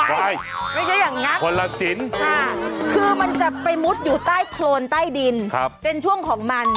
ว่ายคนละศีลค่ะคือมันจะไปมุดอยู่ใต้โครนใต้ดินเป็นช่วงของมัน